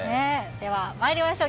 では、まいりましょう。